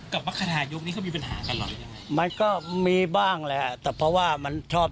กับมัฒนายุกต์นี่ก็มีปัญหากันหรอก